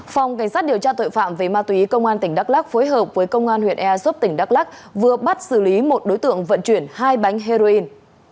phòng cảnh sát điều tra tội phạm về ma túy công an tỉnh đắk lắc phối hợp với công an huyện ea súp tỉnh đắk lắc vừa bắt xử lý một đối tượng vận chuyển hai bánh heroin